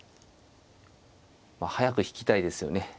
早く引きたいですよね。